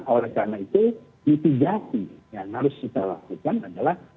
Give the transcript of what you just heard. oleh karena itu mitigasi yang harus kita lakukan adalah